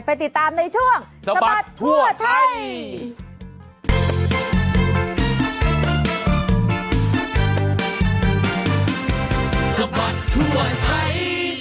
ไปติดตามในช่วงสะบัดทั่วไทย